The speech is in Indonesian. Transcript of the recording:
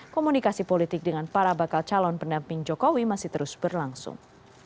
komunikasi politik dengan para bakal calon pendamping jokowi masih terus berlangsung